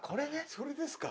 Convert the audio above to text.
それですか。